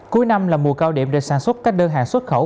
cuối năm là mùa cao điểm để sản xuất các đơn hàng xuất khẩu